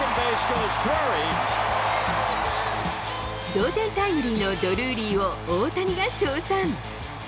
同点タイムリーのドルーリーを、大谷が称賛。